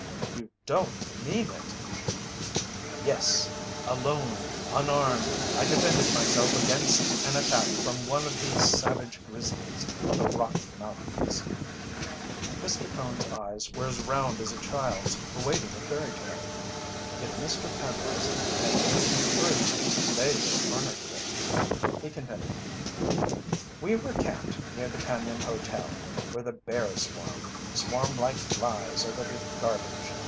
"You don't mean it!" "Yes. Alone, unarmed, I defended myself against an attack from one of the savage grizzlies of the Rocky Mountains." Mr. Cone's eyes were as round as a child's awaiting a fairy tale. If Mr. Penrose had needed encouragement they would have furnished it. He continued: "We were camped near the Cañon Hotel where the bears swarm swarm like flies over the garbage.